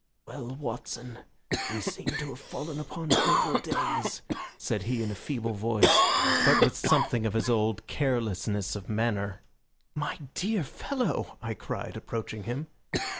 "Well, Watson, we seem to have fallen upon evil days," said he in a feeble voice, but with something of his old carelessness of manner. "My dear fellow!" I cried, approaching him.